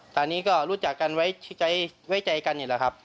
ตอนนี้ก็รู้จักกันไว้ใจกันนี่แหละครับ